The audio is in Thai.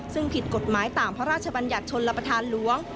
ซึ่งผิดกฎหมายตามพระราชบัญญัติชนรับประทานหลวง